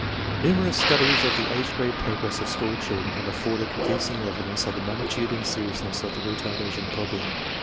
Numerous studies of the age grade progress of school children have afforded convincing evidence of the magnitude and serious ness of the retardation problem.